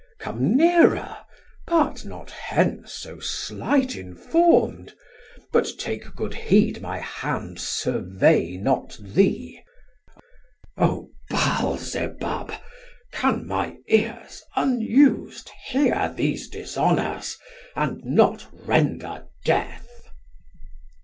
Come nearer, part not hence so slight inform'd; But take good heed my hand survey not thee. 1230 Har: O Baal zebub! can my ears unus'd Hear these dishonours, and not render death?